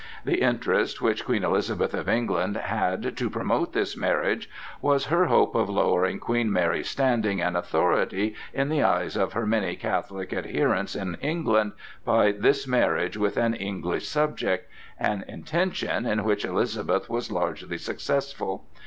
The interest which Queen Elizabeth of England had to promote this marriage was her hope of lowering Queen Mary's standing and authority in the eyes of her many Catholic adherents in England by this marriage with an English subject,—an intention in which Elizabeth was largely successful.